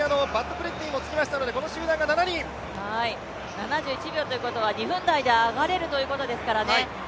７１秒ということは２分台で上がれるということですからね。